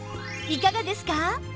いかがですか？